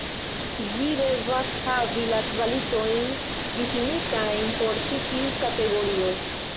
Ĝi devas havi la kvalitojn difinitajn por ĉi tiu kategorio.